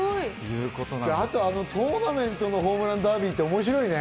あとトーナメントのホームランダービーって面白いね。